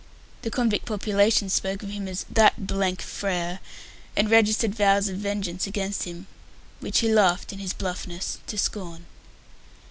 The convict population spoke of him as "that Frere," and registered vows of vengeance against him, which he laughed in his bluffness to scorn.